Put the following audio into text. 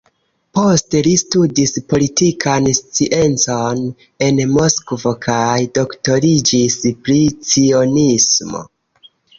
Poste li studis politikan sciencon en Moskvo kaj doktoriĝis pri cionismo.